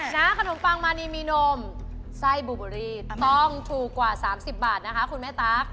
ขนมปังมานีมีนมไส้บูเบอรี่ต้องถูกกว่า๓๐บาทนะคะคุณแม่ตั๊ก